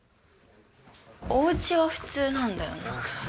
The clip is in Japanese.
おうちは普通なんだよな。